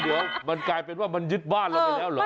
เดี๋ยวมันกลายเป็นว่ามันยึดบ้านเราไปแล้วเหรอ